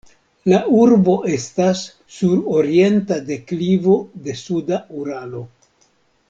La urbo estas sur orienta deklivo de suda Uralo.